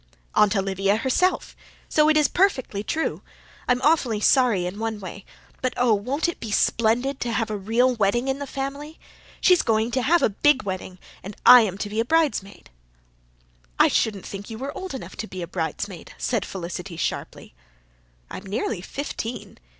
"Aunt Olivia herself. So it is perfectly true. I'm awfully sorry in one way but oh, won't it be splendid to have a real wedding in the family? She's going to have a big wedding and I am to be bridesmaid." "I shouldn't think you were old enough to be a bridesmaid," said Felicity sharply. "I'm nearly fifteen.